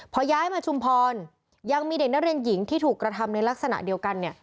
พอย้ายมาชุมพรยังมีเด็กนักเรียนหญิงที่ถูกกระทำในลักษณะเดียวกันเนี่ย